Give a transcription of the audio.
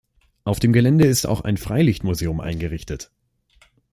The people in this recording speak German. Auf dem Gelände ist auch ein Freilichtmuseum eingerichtet.